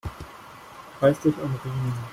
Reiß dich am Riemen!